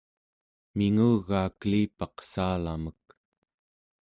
mingugaa kelipaq saalamek